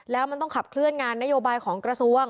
แล้วมันต้องขับเคลื่อนงานนโยบายของกระทรวง